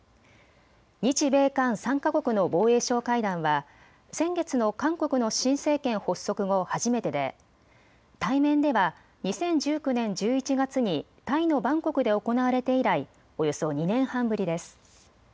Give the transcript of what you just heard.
日米韓３か国の防衛相会談は先月の韓国の新政権発足後初めてで対面では２０１９年１１月にタイのバンコクで行われて以来およそ２年半ぶりです。